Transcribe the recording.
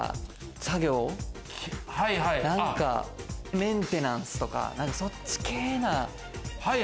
作業、メンテナンスとか、そっち系な。